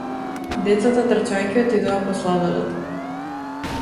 Децата трчајќи отидоа по сладолед.